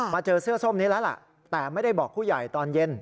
เจอเสื้อส้มนี้แล้วล่ะแต่ไม่ได้บอกผู้ใหญ่ตอนเย็น